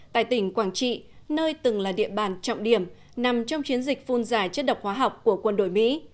tại tỉnh quảng trị nơi từng là địa bàn trọng điểm nằm trong chiến dịch phun giải chất độc hóa học của quân đội mỹ